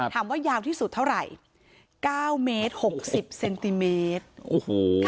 ถามว่ายาวที่สุดเท่าไหร่เก้าเมตรหกสิบเซนติเมตรโอ้โห